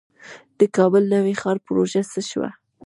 د کابل نوی ښار پروژه څه شوه؟